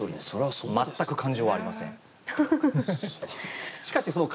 全く感情はありません。